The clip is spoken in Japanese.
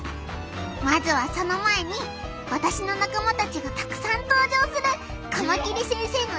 まずはその前に私の仲間たちがたくさん登場するカマキリ先生の授業をお楽しみください！